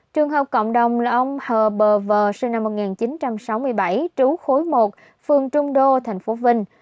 trường hợp cộng đồng là ông h b v sinh năm một nghìn chín trăm sáu mươi bảy trú khối một phường trung đô tp vinh